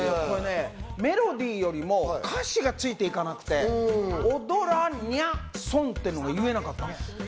メロディーよりも歌詞がついていかなくて、「踊らにゃ損」っていうのが言えなかったの。